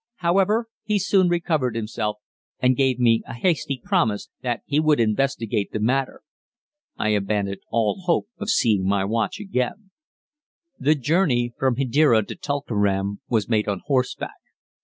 However, he soon recovered himself, and gave me a hasty promise that he would investigate the matter. I abandoned all hope of seeing my watch again. The journey from Hedéra to Tulkeram was made on horseback.